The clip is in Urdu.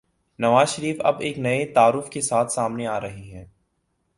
نوازشریف اب ایک نئے تعارف کے ساتھ سامنے آرہے ہیں۔